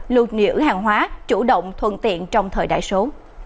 lưu nữ hàng hóa chủ động thuận tiện trong thời đại số